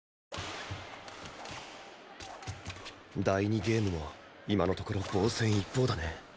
第２ゲームも今のところ防戦一方だね。